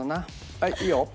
はいいいよ。